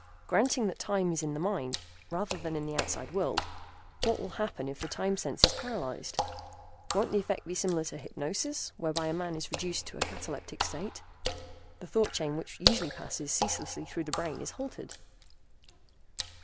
Granting that time is in the mind rather than in the outside world, what will happen if the time sense is paralyzed? Won't the effect be similar to hypnosis whereby a man is reduced to a cataleptic state? The thought chain which usually passes ceaselessly through the brain is halted."